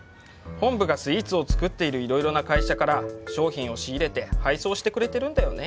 本部がスイーツを作っているいろいろな会社から商品を仕入れて配送してくれてるんだよね。